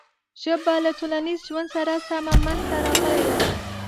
ژبه له ټولنیز ژوند سره سمه منځ ته راغلې ده.